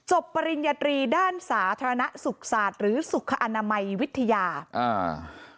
ปริญญาตรีด้านสาธารณสุขศาสตร์หรือสุขอนามัยวิทยาอ่า